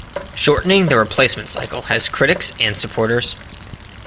Shortening the replacement cycle has critics and supporters.